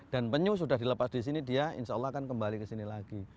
dan penyu sudah dilepas di sini dia insya allah akan kembali ke sini lagi